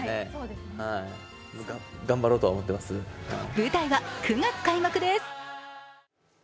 舞台は９月開幕です。